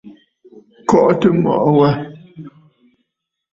Kɔʼɔtə mɔʼɔ wâ.